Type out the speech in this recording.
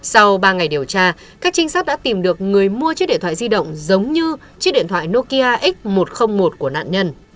sau ba ngày điều tra các trinh sát đã tìm được người mua chiếc điện thoại di động giống như chiếc điện thoại nokia x một trăm linh một của nạn nhân